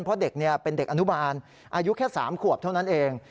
เพราะเด็กเป็นเด็กอนุบาลอายุแค่๓ขวบเท่านั้นเอง